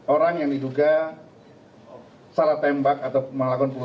orang yang diduga salah tembak atau melakukan